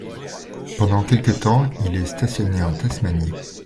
Pendant quelque temps, il est stationné en Tasmanie.